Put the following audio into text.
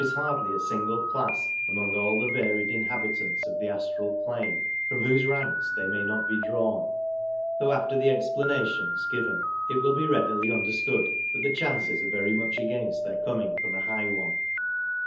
hardly a single class among all the varied in habitants of the astral plane from whose ranks they may not be drawn, though after the explanations given it will be readily understood that the chances are very much against their coming from a high one.